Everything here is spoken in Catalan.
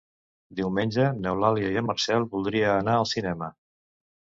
Diumenge n'Eulàlia i en Marcel voldria anar al cinema.